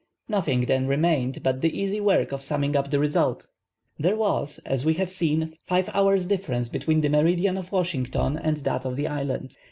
Nothing then remained but the easy work of summing up the result. There was, as we have seen, five hours difference between the meridian of Washington and that of the island.